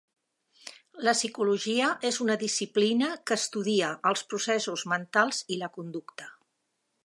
La psicologia és una disciplina que estudia els processos mentals i la conducta.